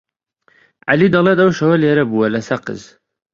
عەلی دەڵێت ئەو شەوە لێرە بووە لە سەقز.